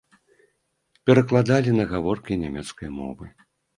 Перакладалі на гаворкі нямецкай мовы.